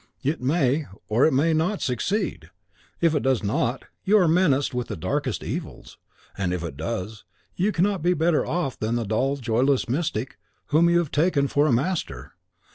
It may, or it may not, succeed: if it does not, you are menaced with the darkest evils; and if it does, you cannot be better off than the dull and joyless mystic whom you have taken for a master.